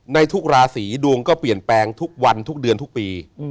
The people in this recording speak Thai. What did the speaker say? ในทุกราศีดวงก็เปลี่ยนแปลงทุกวันทุกเดือนทุกปี